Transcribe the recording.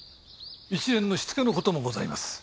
一連の火付けの事もございます。